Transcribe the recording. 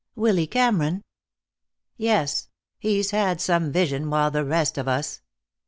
"Willy Cameron?" "Yes. He's had some vision, while the rest of us